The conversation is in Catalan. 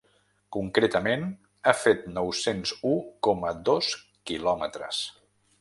Concretament ha fet nou-cents u coma dos quilòmetres.